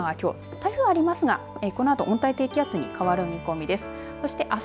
台風がありますが、このあと温帯低気圧に変わる見込みです。